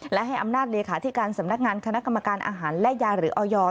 และให้อำนาจเลขาธิการสำนักงานคณะกรรมการอาหารและยาหรือออย